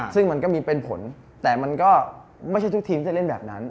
ซึ่งมันก็มีเป็นผลแต่มันก็ไม่ใช่ทุกทีมที่จะเล่นแบบนั้น